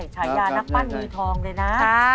ฉายานักปั้นมือทองเลยนะ